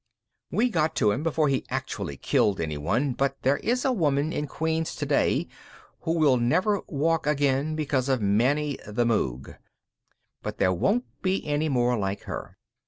"We got to him before he actually killed anyone, but there is a woman in Queens today who will never walk again because of Manny the Moog. But there won't be any more like her.